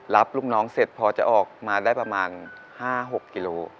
รับลูกน้องเสร็จพอจะออกมาได้ประมาณ๕๖กิโล